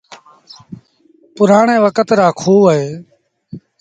پُرآڻي وکت رآ کوه اهيݩ۔